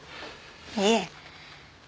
いえ。